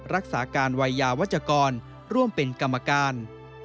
รักษาการวัยยาวัชกรร่วมเป็นกรรมการ